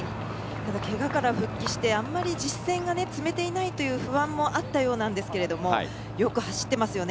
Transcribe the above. ただ、けがから復帰してあまり実戦を積めていないという不安もあったようなんですがよく走ってますよね。